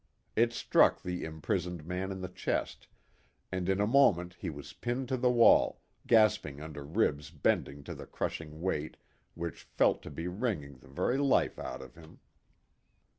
It struck the imprisoned man in the chest, and in a moment he was pinned to the wall, gasping under ribs bending to the crushing weight which felt to be wringing the very life out of him.